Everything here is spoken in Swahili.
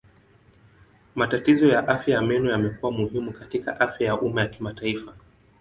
Matatizo ya afya ya meno yamekuwa muhimu katika afya ya umma ya kimataifa.